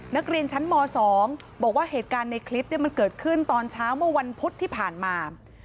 นักเรียนชั้นม๒บอกว่าเหตุการณ์ในคลิปมันเกิดขึ้นตอนเช้าเมื่อวันพุธที่ผ่านมา